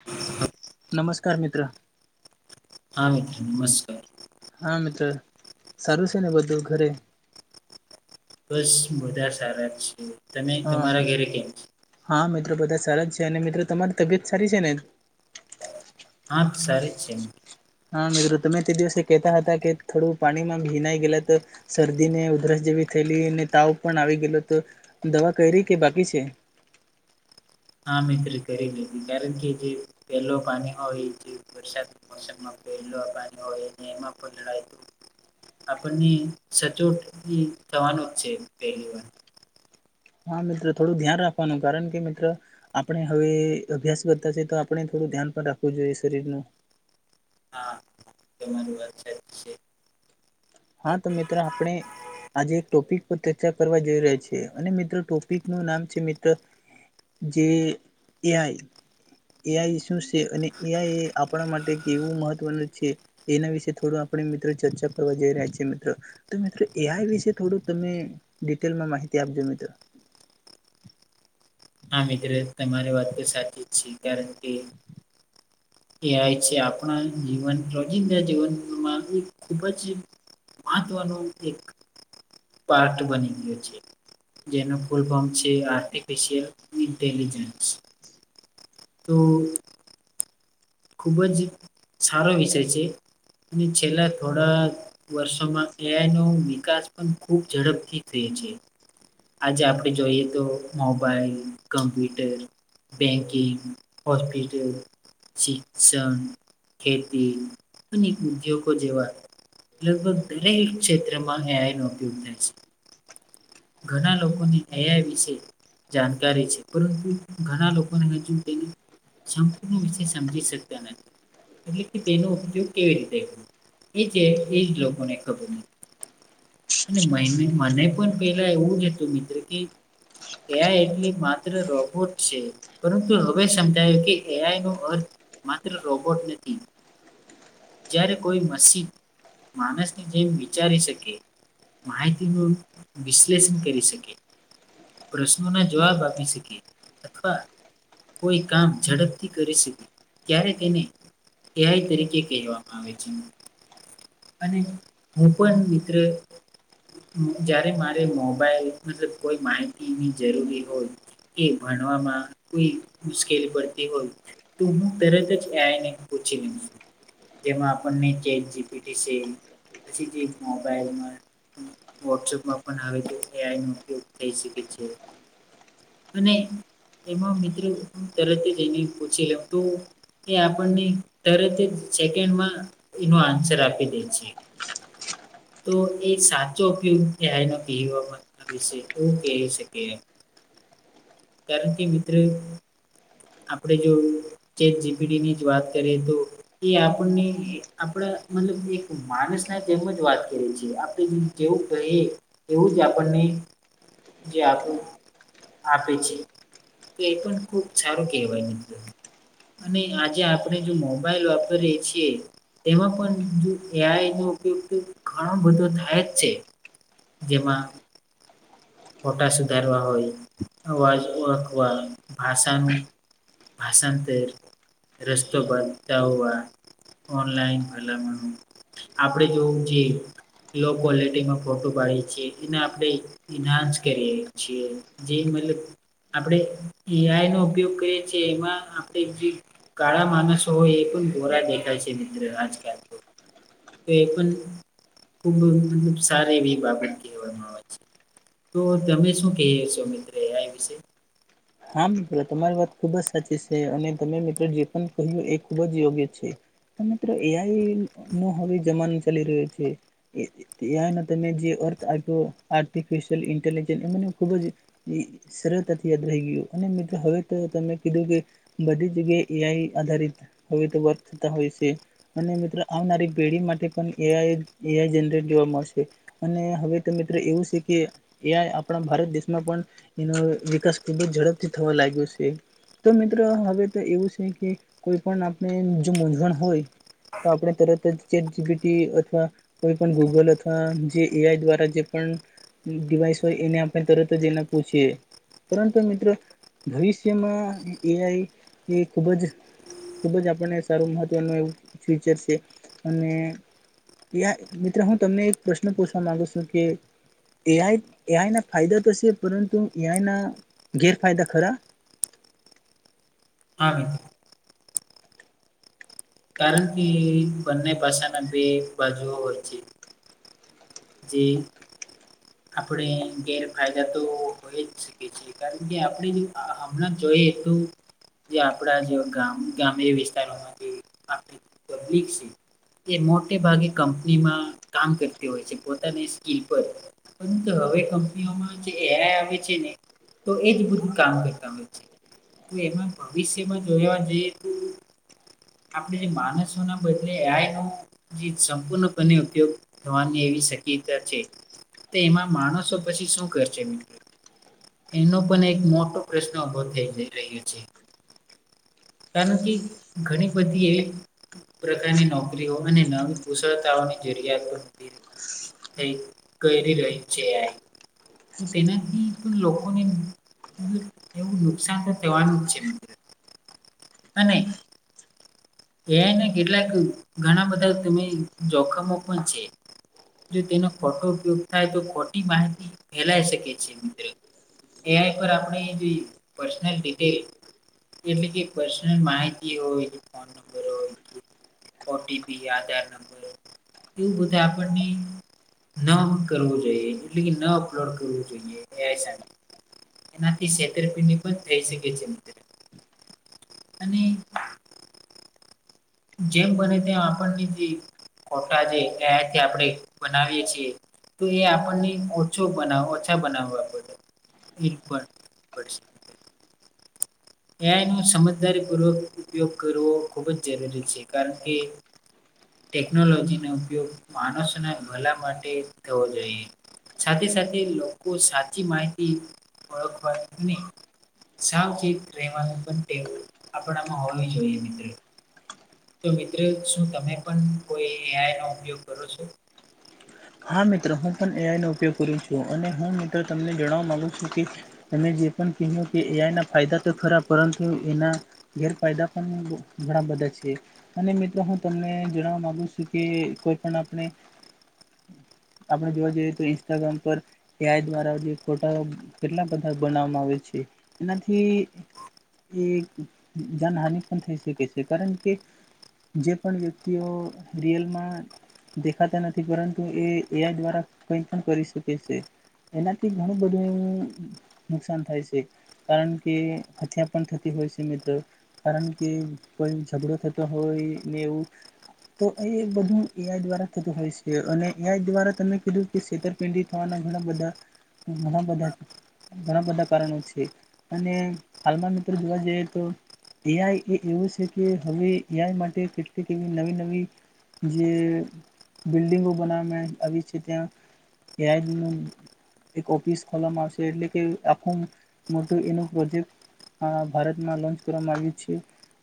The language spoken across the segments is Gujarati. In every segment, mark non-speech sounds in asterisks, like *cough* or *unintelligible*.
*inaudible* નમસ્કાર મિત્ર. હા મિત્ર નમસ્કાર. હા મિત્ર સારું છે ને બધું ઘરે. બસ બધા સારા છે તમે હા તમારા ઘરે કેમ છ. હા મિત્ર બધા સારા જ છે. અને મિત્રો તમારી તબિયત સારી છે ને? આમ સારી જ છે. હા મિત્રો તમે તે દિવસે કેહેતા હતા કે થોડું પાણીમાં ભીનાઈ ગયલા તો. શરદીને, ઉધરસ જેવી થયેલીને તાવ પણ આવી ગયેલો તો દવા કયરી કે બાકી છે. હા મિત્ર કરી લીધી કારણ કે જે પહેલો પાણી હોય જે વરસાદ. *unintelligible* આપણને *unintelligible* થવાનો છે પહેલી વાર. હા મિત્ર થોડું ધ્યાન રાખવાનું કારણ કે મિત્ર, આપણે હવે અભ્યાસ કરતા છે તો આપણે થોડું ધ્યાન પણ રાખવું જોઈએ શરીરનું. હા તમારી વાત સાચી છે. હા તો મિત્ર આપણે. આજે એક ટોપિક પર ચર્ચા કરવા જઈ રહ્યા છે અને મિત્ર ટોપિકનું નામ છે મિત્ર જે એઆઈ. એઆઈ શું છે? અને એઆઈ આપણા માટે કેવું મહત્વનું છે. એના વિશે થોડો આપડે મિત્રો ચર્ચા કરવા જઈ રહ્યા છે મિત્ર તો મિત્ર એઆઈ વિશે થોડું તમે ડિટેલમાં માહિતી આપજો મિત્રો. હા મિત્ર તમારી વાતતો સાચી જ છે કારણ કે એઆઈ છે આપણા જીવન રોજિંદા જીવનમાં એક ખૂબ જ મહત્વનું એક પાર્ટ બની ગીયો છે. જેનું ફુલ ફોર્મ છે આર્ટિફિશિયલ ઇન્ટેલિજન્સ. તો. ખૂબ જ સારો વિષય છે, અને છેલ્લા થોડાક વર્ષોમાં એઆઈનો વિકાસ પણ ખૂબ ઝડપથી થયી છે. આજે આપડે જોઈએ તો મોબાઈલ, કમ્પ્યુટર, બેન્કિંગ, હોસ્પિટલ, શિક્ષણ, ખેતી અને ઉદ્યોગો જેવા લગભગ દરેક ક્ષેત્રમાં એઆયનો ઉપયોગ થાય છે. ઘણા લોકોને એઆઈ વિશે જાણકારી છે. પરતું ઘણા લોકોને હજું તેની સંપૂર્ણ વિષય સમજી શક્યા નથી. એલે કે તેનો ઉપયોગ કેવી રીતે, એ જે એજ લોકોને ખબર નથી. અને મઈને મને પણ પેલા એવું જ હતું, મિત્ર કે એઆઈ એટલી માત્ર રોબોટ છે. પરંતુ હવે સમજાયું કે એઆઈનો અર્થ માત્ર રોબોટ નથી. જ્યારે કોઈ મશીન માણસની જેમ વિચારી શકે, માહિતીનું વિશ્લેષણ કરી શકે, પ્રશ્નોના જવાબ આપી શકે અથવા કોઈ કામ ઝડપથી કરી શકે, ત્યારે તેને એઆઈ તરીકે કહેવામાં આવે છે. અને હું પણ મિત્ર જ્યારે મારે મોબાઈલ મતલબ કોઈ માહિતીની જરૂરી હોય કે ભણવામાં કોઈ મુશ્કેલી પડતી હોય તો હું તરત જ એઆઇને પૂછી લઉ છું તેમાં આપણને ચેટ જી પીટીસી પછી જે મોબાઈલમાં વોટ્સઅપમાં પણ આવે તો એઆઈનો ઉપયોગ થઈ શકે છે. અને એમાં મિત્રો હું તરત જ જઈને પછી લઉ તો એ આપણને તરત જ સેકેન્ડમાં એનો આન્સર આપી દે છે. તો એ સાચો ઉપયોગ એઆઈને પીહીવામાં એ વિશે હુ કેય શકીએ? કારણ કે, મિત્ર આપણેે જો ચેટ જીપીડીની જ વાત કરીએ તો એ આપણને એ આપડા મતલબ એક માણસના જેમ જ વાત કરે છે, આપણે જે જેવું કહેએ એવું જ આપણને જે આપું આપે છે, તે એ પણ ખૂબ સારો કહેવાય મિત્ર અને આજે આપણે જો મોબાઈલ વાપરીએ છીએ. તેમાં પણ જો એઆઈનો ઉપયોગ તો ઘણો બધો થાય જ છે. જેમાં, ફોટા સુધારવા હોય, અવાજ ઓળખવા, ભાષાનું ભાષાંતર, રસ્તો બતાવવા, ઓનલાઈન ભલામણો આપણે જોવું જે લોક્વોલિટીમાં ફોટો પાડે છે, એને આપડે ઇન્હાન્સ કરીએ છીએ, જે મતલબ આપડે એઆઈનો ઉપયોગ કરીએ છીએ, એમાં આપણે જે કાળા માણસ હોય એ પણ ધોરા દેખાાય છે, મિત્ર આજ-કાલ તો તો એ પણ ખૂબ મતલબ સારી એવી બાબત કેહેવામાં આવે છે. તો તમે શું કહી છો મિત્ર એઆઈ વિશે? હા, મિત્ર તમારી વાત ખૂબ જ સાચી છે અને તમે મિત્રો જે પણ કહ્યું એ ખુબ જ યોગ્ય છે. તો મિત્ર એઆઈનો હવે જમાનો ચાલી રહ્યો છે. એઆઈનો તમે જે અર્થ આપ્યો આર્ટિફિશયલ ઇન્ટેલિજન્ એ મને ખૂબ જ એ સરળતાથી *unintelligible* રહી ગયું અને મિત્રો હવે તો તમે કીધું કે બધી જગ્યાએ એઆઈ આધારિત હવે તો *unintelligible* થતાં હોય છે. અને મિત્ર આવનારી પેઢી માટે પણ એઆઈ એઆઈ જનરેટ જોવા મળશે. અને હવે તો મિત્રો એવું છે કે એઆઇ આપણા ભારત દેશમાં પણ એનો વિકાસ કેટલુ ઝડપથી થવા લાગ્યું છે. તો મિત્ર હવે તો એવું છે કે કોઈ પણ આપણે જો મૂજવણ હોય તો આપણે તરત જ ચેટ જીપીટી અથવા કોઈ પણ ગૂગલ અથવા જે એઆઈ દ્વારા જે પણ ડિવાઈસ હોય એને આપણે તરત જ એના પૂછીયએ. પરંતુ મિત્રો ભવિષ્યમાં એઆઈ એ ખૂબ જ ખુબ જ આપણને સારું મહત્વનું એવું ફુચર છે અને યા મિત્ર હું તમને એક પ્રશ્ન પૂછવા માંગુ છું કે એ આઈ એઆઈ ના ફાયદા તો છે પરંતુ એઆઈ ના ગેરફાયદા ખરા આવે છે. કારણ કે બંને પાસા ના બે બાજુ હોય છે. જે આપણે ગેરફાયદા તો હોય જ શકીએ છેએ. કારણ કે આપણે અ હમણાં જોઈએ તો. જે આપણા જે ગામ ગામ્ય વિસ્તારોમાં જે આપણી પબ્લિક છે એ મોટે ભાગે કંપનીમાં કામ કરતી હોય છે. પોતાની સ્કીલ પર પરંતુ હવે કંપનીઓમાં જે એઆ આવે છે ને તો એજ બધું કામ કરતા હોય છે તો એમાં ભવિષ્યમાં જોવા જઈએ તો આપણે માનસો ના બદલે એઆઈ નો જીત સંપૂર્ણપણે ઉપયોગ થવાની એવી શક્યતા છે. તે એમાં માણસો પછી શું કરશે મિત્ર એનો પણ એક મોટો પ્રશ્ન ઉભો થઇ જ રહ્યો છે. કારણ કે ઘણી બધી એવી પ્રકારની નોકરીઓ અને નવી કુશળતાઓની જરૂરિયાત હતી કે કરી રહી છે એઆઇ. તો તેનાથી પણ લોકોને એવું નુકસાન તો થવાનું જ છે મિત્ર અને. એઆઇ ના કેટલાક ઘણા બધા તમે જોખમો પણ છે. જો તેનો ખોટો ઉપયોગ થાય તો ખોટી માહિતી ફેલાય શકે છે મિત્ર એ આઈ પર આપણી જે પર્સનલ ડિટેલ એટલે કે પર્સનલ માહિતી હોય ફોન નંબર હોય ઓટીપી આધાર નંબર એવું બધા આપણને ન કરવું જોઈએ એટલે કે ન અપલોડ કરવું જોઈએ એસાઈ. એનાથી છેતરપિંડી પણ થઈ શકે છે મિત્ર અને જેમ બને તેમ આપણે જે ખોટા જે એક્ટ આપણે બનાવી છીએ તો એ આપણને ઓછુ બનાઉ ઓછા બનાવવા પડ *inaudible* ત્યાં જ સમજદારીપૂર્વક ઉપયોગ કરવો ખૂબ જ જરૂરી છે કારણ કે ટેકનોલોજીનો ઉપયોગ માણસ ને ભલા માટે થવો જોઈએ. સાથે સાથે લોકો સાચી માહિતી ઓળખવા ને સાવચિત રહેવાનું પણ ટેવ આપણામાં હોવી જોઈએ મિત્ર તો મિત્ર શું તમે પણ કોઈ એ આઇ નો ઉપયોગ કરો છો હા મિત્ર હું પણ એઆઈ નો ઉપયોગ કરું છું અને હું મિત્ર તમને જણવા માંગુ છું કે તમે જે પણ કીધું કે એઆઈ ના ફાયદા તો ખરા પરંતુ એના ગેરફાયદા પણ ઘણા બધા છે, અને મિત્ર હું તમને જણાવવા માગુ છું કે કોઈ પણ આપણે આપણે જોવા જઈએ તો ઇન્સ્ટાગ્રામ પર એઆઈ દ્વારા જે ખોટા કેટલા બધા બનાવામાં આવે છે. એનાથી એ જાનહાની પણ થઈ શકે છે. કારણ કે જે પણ વ્યક્તિઓ રિયલમાં દેખાતા નથી પરં તો એ એઆઈ દ્વારા કઈ પણ કરી શકે છે. એનાથી ઘણું બધું એવું નુકસાન થાય છે. કારણ કે હત્યા પણ થતી હોય છે મિત્ર. કારણ કે કોઈ ઝઘડો થતો હોય ને એવું તો એ બધું એઆઈ દ્વારા થતું હોય છે અને એઆઈ દ્વારા તમે કીધું કે છેતરપિંડી થવાના ઘણા બધા ઘણા બધા ઘણા બધા કારણો છે. અને હાલમાં મિત્ર જોવા જઈએ તો એઆઈ એ એવું છે કે હવે એઆઈ માટે કેટલીક એવી નવી નવી જે બિલ્ડિંગો બનાવા મેં આવી છે ત્યા એ *unintelligible* એક ઓફિસ ખોલવામાં આવશે એટલે કે આખું મોટું એનું પ્રોજેક્ટ અ ભારતમાં લોન્ચ કરવામાં આવ્યું છે.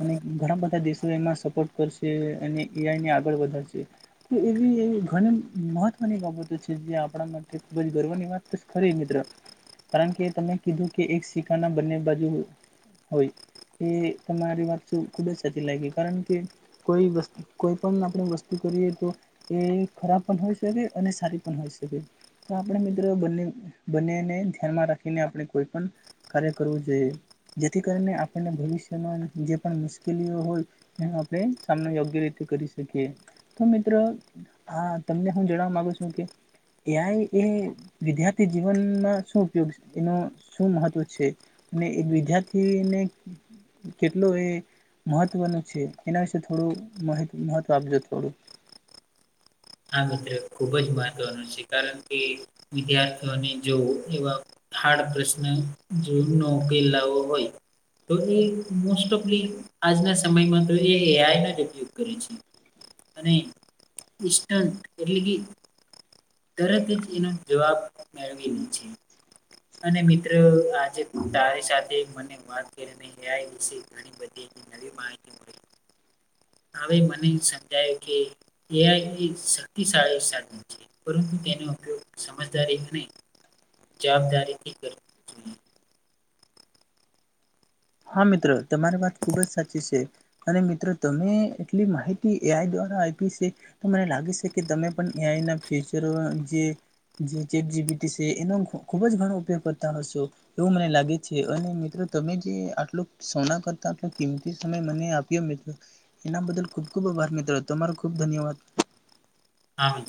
અને ઘણા બધા દેશો એમાં સપોર્ટ કરશે અને એઆઈને આગળ વધારશે. કે એવી એ ઘણી મહત્વની બાબતો છે જે આપણા માટે ખૂબ જ ગર્વની વાત ખરી મિત્ર. કારણ કે તમે કીધું કે એક શીકાના બંને બાજુ હોય. એ તમારી વાત ખુબ જ સાચી લાગી. કારણ કે કોઈ વત કોઈ પણ આપણે વસ્તુ કરીએ તો એ ખરાબ પણ હોઈ શકે અને સારી પણ હોઈ શકે. તો આપણે મિત્ર બને બંનેને ધ્યાનમાં રાખીને આપણે કોઈ પણ કાર્ય કરવું જોઈએ. જેથી કરીને આપણને ભવિષ્યમાં જે પણ મુશ્કેલીઓ હોય એનો આપણે સામનો યોગ્ય રીતે કરી શકીએ. તો મિત્ર આ તમને હું જણવા માંગુ છું કે એઆઈ એ વિદ્યાર્થી જીવનના શું ઉપયોગ એનો શું મહત્વ છે? અને વિદ્યાર્થીને કેટલો એ મહત્વનું છે, એના વિશે થોડું મહત્વ આપજો થોડું. હા મિત્ર ખૂબ જ મહત્વનો છે. કારણ કે વિદ્યાર્થીઓને જો એવા હાર્ડ પ્રશ્ન *inaudible* ઉકેલ લાવો હોય તો એ મોસ્ટ ઓફલી આજના સમયમાં તો એ એઆઈનો જ ઉપયોગ કરે છે. અને *unintelligible* તરત જ એના જવાબ મેળવી લે છે. અને મિત્ર આજે તારી સાથે મને વાત કરીને એઆઈ વિશે ઘણી બધી નવી માહિતી મળી. હવે મને સમજાયું કે એઆઈ એ શક્તિશાળી સાધન છે. પરંતુ તેનો ઉપયોગ સમજદારી અને જવાબદારીથી કર હા મિત્ર તમારી વાત ખુબ જ સાચી છે. અને મિત્ર તમે એટલી માહિતી એ આઈ દ્વારા આપી છે તો મને લાગે છે કે તમે પણ એઆઈના ફ્યુચરો જે જે ચેટ જીપીટી છે એનો ખુબ જ ઘણો ઉપયોગ કરતા હશો. એવું મને લાગે છે અને મિત્રો તમે જે આટલુંક સોના કરતા આટલું કિંમતી સમય મને આપ્યો મિત્ર એના બદલ ખુબ ખુબ આભાર મિત્ર તમારો ખુબ ધન્યવાદ. હા.